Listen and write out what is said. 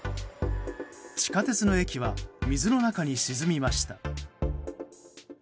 地下鉄の駅は水の中に沈みました。